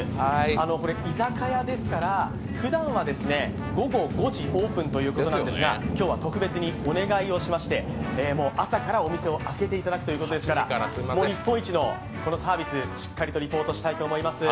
これ居酒屋ですからふだんは午後５時オープンということなんですが今日は特別にお願いをしまして朝からお店を開けていただくということですからもう、日本一のサービス、しっかりとリポートしたいと思います。